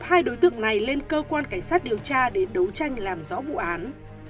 hai đối tượng này lên cơ quan cảnh sát điều tra để đấu tranh làm rõ vụ án